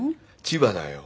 千葉だよ。